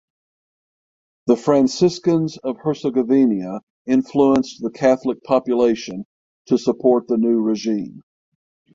The Franciscans of Herzegovina influenced the Catholic population to support the new regime.